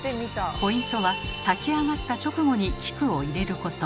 ポイントは炊き上がった直後に菊を入れること。